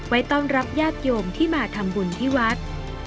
ไว้ต้องรับยากโยมที่มาทำบุญที่วัด